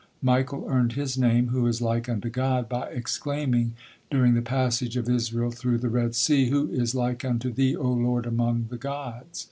Michael earned his name, "Who is like unto God," by exclaiming during the passage of Israel through the Red Sea, "Who is like unto Thee, O Lord, among the gods?"